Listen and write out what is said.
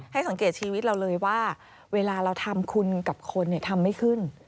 สังเกตชีวิตเราเลยว่าเวลาเราทำคุณกับคนทำไม่ขึ้น